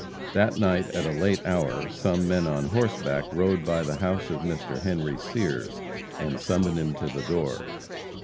That night at a late hour some men on horseback rode by the house of Mr. Henry Sears, and summoned him to the door.